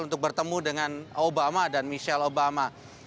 untuk bertemu dengan obama dan michelle obama